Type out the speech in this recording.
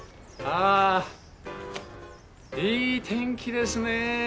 あいい天気ですね。